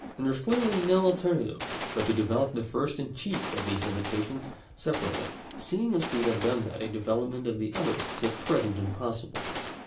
And there is clearly no alternative but to develop the first and chief of these limita tions separately ; seeing as we have done that a development of the others is at present impossible.